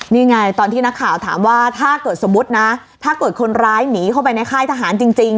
นี่ไงตอนที่นักข่าวถามว่าถ้าเกิดสมมุตินะถ้าเกิดคนร้ายหนีเข้าไปในค่ายทหารจริง